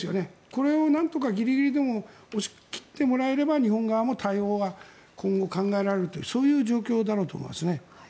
これをなんとか、ギリギリでも押し切ってもらえれば日本側も対応は今後、考えられるという状況だと思いますね。